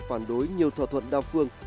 phản đối nhiều thỏa thuận đa phương